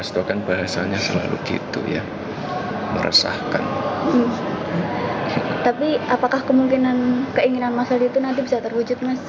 tapi apakah kemungkinan keinginan masal itu nanti bisa terwujud mas